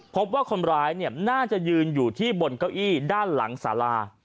พบว่าคนร้ายน่าจะยืนอยู่ที่บนเก้าอี้ด้านหลังสารา